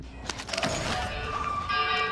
تکویني پوښتنې تاریخ ته ګوري.